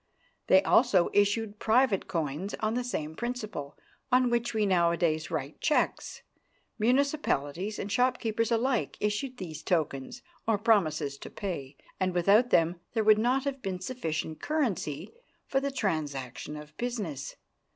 They also issued private coins on the same principle on which we nowadays write cheques. Municipalities and shopkeepers alike issued these tokens, or promises to pay, and without them there would not have been sufficient currency for the transaction of business.